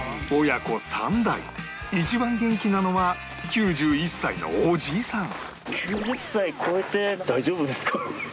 親子３代一番元気なのは９１歳のおじいさん